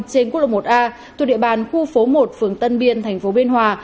thuộc địa bàn khu phố một phường tân biên thành phố biên hòa